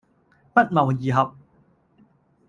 不謀而合